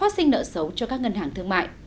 sinh nợ xấu cho các ngân hàng thương mại